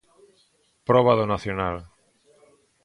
Proba do nacional.